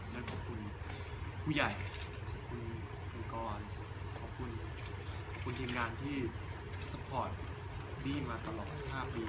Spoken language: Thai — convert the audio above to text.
และขอบคุณผู้ใหญ่คุณกรขอบคุณคุณทีมงานที่ซัพพอร์ตบี้มาตลอด๕ปี